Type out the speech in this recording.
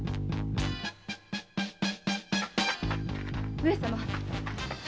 上様。